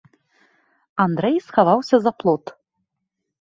Андрэй схаваўся за плот.